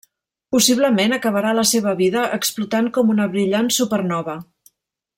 Possiblement acabarà la seva vida explotant com una brillant supernova.